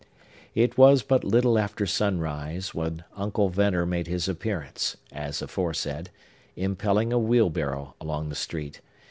It was but little after sunrise, when Uncle Venner made his appearance, as aforesaid, impelling a wheelbarrow along the street.